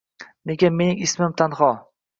Nega mening ismim tanho